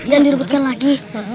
jangan direbutkan lagi